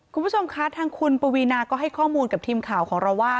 คุณผู้ชมคะทางคุณปวีนาก็ให้ข้อมูลกับทีมข่าวของเราว่า